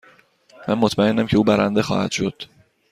من مطمئنم که او برنده خواهد شد.